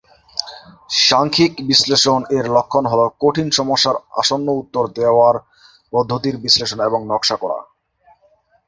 সাংখ্যিক বিশ্লেষণ এর লক্ষ হল কঠিন সমস্যার আসন্ন উত্তর দেওয়ার পদ্ধতির বিশ্লেষণ এবং নকশা করা।